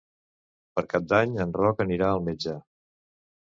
Per Cap d'Any en Roc anirà al metge.